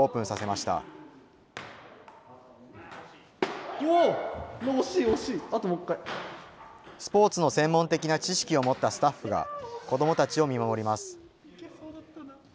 惜しい惜しい、スポーツの専門的な知識を持ったスタッフが、子どもたちを見守ります。